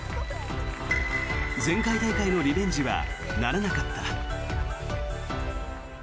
前回大会のリベンジはならなかった。